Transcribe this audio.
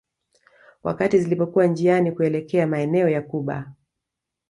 Wakati zilipokuwa njiani kuelekea maeneo ya Cuba